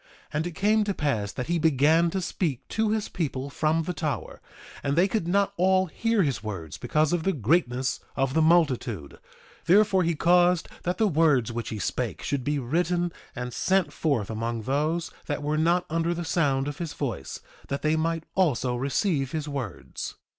2:8 And it came to pass that he began to speak to his people from the tower; and they could not all hear his words because of the greatness of the multitude; therefore he caused that the words which he spake should be written and sent forth among those that were not under the sound of his voice, that they might also receive his words.